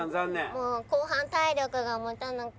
もう後半体力が持たなくて。